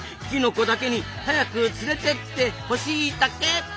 きのこだけに早く連れてってほしいタケ！